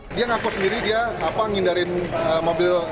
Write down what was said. diduga ada empat penumpang berada di dalam mobil